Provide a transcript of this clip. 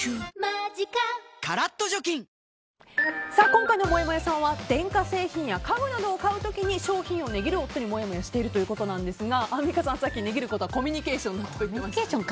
今回のもやもやさんは電化製品や家具などを買う時に商品を値切る夫にもやもやしているということですがアンミカさん、さっき値切ることはコミュニケーションだと言ってましたが。